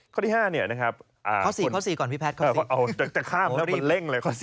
ข้อที่๕นะครับเอ้าจะข้ามแล้วมันเร่งเลยข้อ๔